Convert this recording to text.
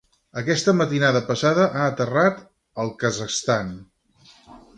Aquesta matinada passada a aterrat al Kazakhstan.